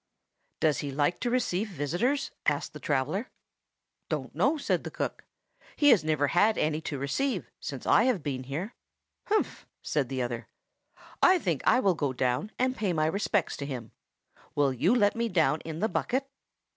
"Does he like to receive visitors?" asked the traveller. "Don't know," said the cook. "He has never had any to receive since I have been here." "Humph!" said the other. "I think I will go down and pay my respects to him. Will you let me down in the bucket?"